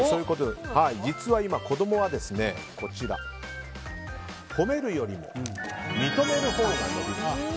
実は今、子供は褒めるよりも認めるほうが伸びる。